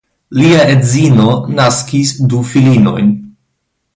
Lia edzino naskis du filinojn.